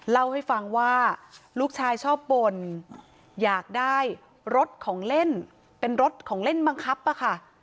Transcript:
เล่าให้ฟังว่าลูกชายชอบบ่นอยากได้รถของเล่นเป็นรถของเล่นบังคับอะค่ะ